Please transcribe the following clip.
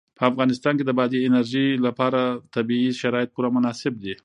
په افغانستان کې د بادي انرژي لپاره طبیعي شرایط پوره مناسب دي.